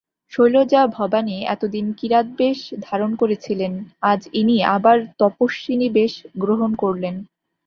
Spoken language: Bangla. শৈলজা ভবানী এতদিন কিরাতবেশ ধারণ করেছিলেন, আজ ইনি আবার তপস্বিনীবেশ গ্রহণ করলেন।